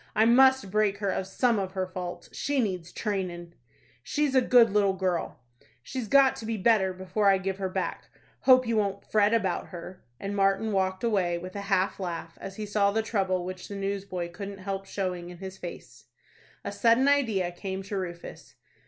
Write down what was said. I must break her of some of her faults. She needs trainin'." "She's a good little girl." "She's got to be better before I give her back. Hope you won't fret about her;" and Martin walked away, with a half laugh, as he saw the trouble which the newsboy couldn't help showing in his face. A sudden idea came to Rufus.